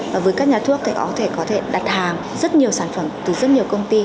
và với các nhà thuốc thì có thể có thể đặt hàng rất nhiều sản phẩm từ rất nhiều công ty